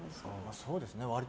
そうですね、割と。